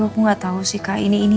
aduh aku gak tau sih kak ini ini